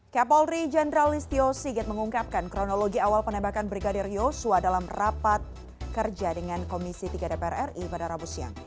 kapolri jenderal listio sigit mengungkapkan kronologi awal penembakan brigadir yosua dalam rapat kerja dengan komisi tiga dpr ri pada rabu siang